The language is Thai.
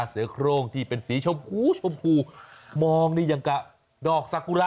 ศิรคโรงที่เป็นสีชมพูชมพูมองที่ยังมีกับดอกสัคกุระ